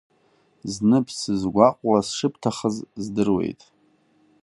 Зны бсызгәаҟуа сшыбҭахыз здыруеит.